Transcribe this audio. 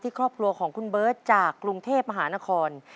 ครอบครัวของคุณเบิร์ตจากกรุงเทพมหานคร